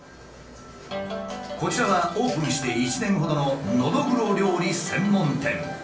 こちらはオープンして１年ほどのノドグロ料理専門店。